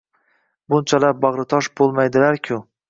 Bunchalar bag'ritosh bo'lmaydilarku?